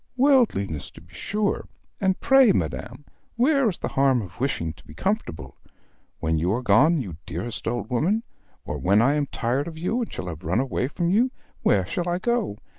Worldliness, to be sure; and pray, madam, where is the harm of wishing to be comfortable? When you are gone, you dearest old woman, or when I am tired of you and have run away from you, where shall I go?